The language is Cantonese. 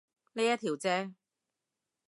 呢一條啫